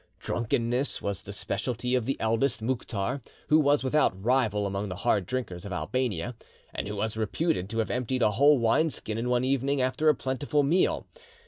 Drunkenness was the speciality of the eldest, Mouktar, who was without rival among the hard drinkers of Albania, and who was reputed to have emptied a whole wine skin in one evening after a plentiful meal.